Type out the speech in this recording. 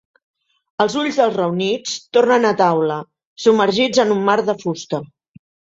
Els ulls dels reunits tornen a taula, submergits en un mar de fusta.